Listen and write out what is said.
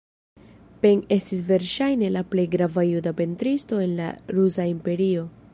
Pen estis verŝajne la plej grava juda pentristo en la rusa imperio.